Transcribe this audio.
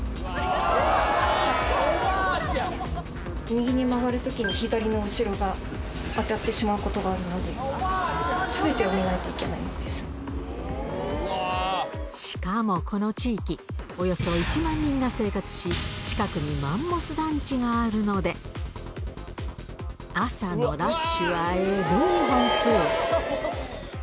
右に曲がるときに、左の後ろが当たってしまうことがあるので、すべてを見ないといけしかもこの地域、およそ１万人が生活し、近くにマンモス団地があるので、朝のラッシュはえぐい本数。